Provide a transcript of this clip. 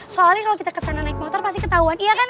soalnya kalau kita kesana naik motor pasti ketahuan iya kan